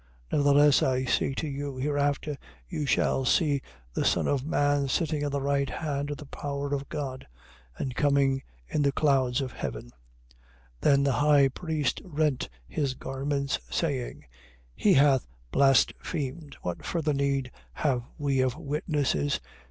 Nevertheless I say to you, hereafter you shall see the Son of man sitting on the right hand of the power of God and coming in the clouds of heaven. 26:65. Then the high priest rent his garments, saying: He hath blasphemed: What further need have we of witnesses?